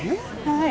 はい。